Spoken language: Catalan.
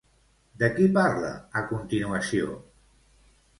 De qui parla a continuació?